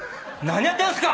⁉何やってんですか？